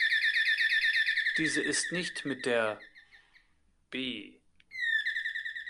Diese ist nicht mit der "B.